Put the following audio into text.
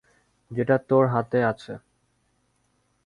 যেটা তোর হাতে আছে।